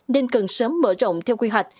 nên cần sớm mở rộng theo quy hoạch